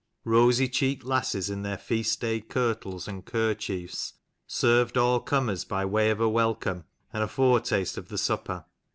BIORNSON. 'Rosy cheeked lasses, in their feast day kirtles and kerchiefs, served all comers by way of a welcome and a foretaste of the supper.